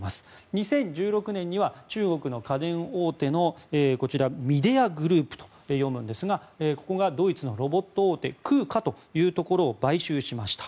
２０１６年には中国の家電大手のこちら、ミデアグループと読むんですがここがドイツのロボット大手クーカというところを買収しました。